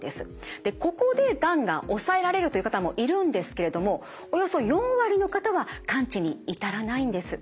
ここでがんが抑えられるという方もいるんですけれどもおよそ４割の方は完治に至らないんです。